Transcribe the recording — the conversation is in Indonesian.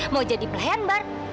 mau jadi pelayan bar